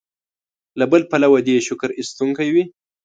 له بل پلوه دې شکر ایستونکی وي.